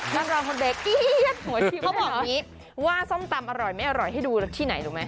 นั่งรองคนเด็กหัวชิมพ่อบอกอย่างนี้ว่าส้มตำอร่อยไม่อร่อยให้ดูที่ไหนรู้ไหม